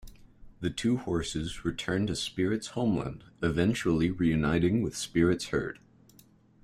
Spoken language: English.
The two horses return to Spirit's homeland, eventually reuniting with Spirit's herd.